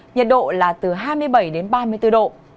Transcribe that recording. nhiệt độ là từ hai mươi bảy đến ba mươi bốn độ